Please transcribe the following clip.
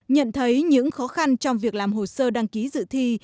nhận thấy những khó khăn trong việc làm hồ sơ đăng ký dự thi